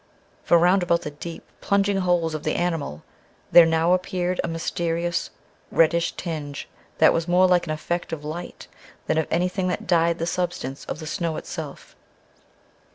For round about the deep, plunging holes of the animal there now appeared a mysterious, reddish tinge that was more like an effect of light than of anything that dyed the substance of the snow itself.